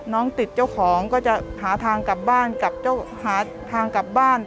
น้องติดเจ้าของก็จะหาทางกลับบ้าน